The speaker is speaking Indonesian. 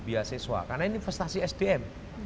beasiswa karena ini investasi sdm